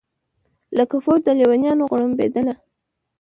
لکه فوج د لېونیانو غړومبېدله